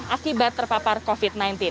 akibat terpapar covid sembilan belas